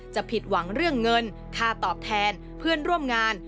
ผิดหวังเรื่องเงินค่าตอบแทนเพื่อนร่วมงาน